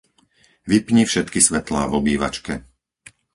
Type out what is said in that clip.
Vypni všetky svetlá v obývačke.